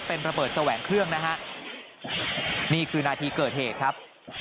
เป็นระเบิดแสวงเครื่องนะฮะนี่คือนาทีเกิดเหตุครับ